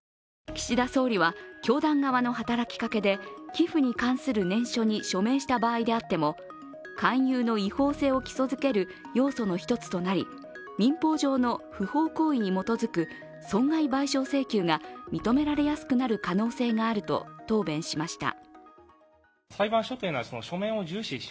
岸田総理は教団側の働きかけで寄付に関する念書に署名した場合であっても勧誘の違法性を基礎づける要素の一つとなり、民法上の不法行為に基づく損害賠償請求が認められやすくなる可能性があると答弁しました。